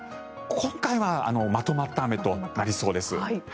今回はまとまった雨となりそうです。